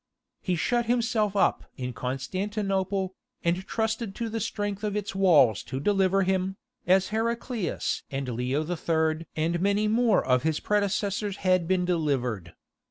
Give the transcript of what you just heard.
He shut himself up in Constantinople, and trusted to the strength of its walls to deliver him, as Heraclius and Leo III. and many more of his predecessors had been delivered.